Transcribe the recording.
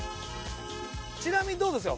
ちなみにどうでしょう？